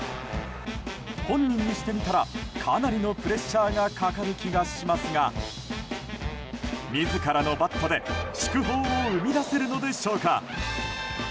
本人にしてみたらかなりのプレッシャーがかかる気がしますが自らのバットで祝砲を生み出せるのでしょうか。